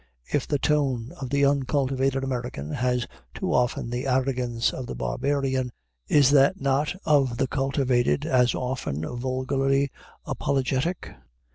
If the tone of the uncultivated American has too often the arrogance of the barbarian, is not that of the cultivated as often vulgarly apologetic?